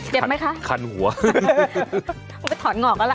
ไหมคะคันหัวต้องไปถอนงอกแล้วล่ะ